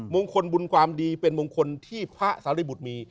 มงคลบุญความดีเป็นมงคลที่พระสาริบุตรมี